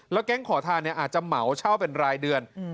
แก๊งขอทานอาจจะเหมาเช่าเป็นรายเดือน